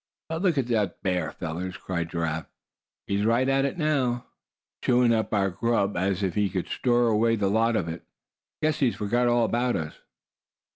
"But look at the bear, fellers!" cried Giraffe. "He's right at it now, chawin' up our grub as if he could store away the lot of it. Guess he's forgot all about us."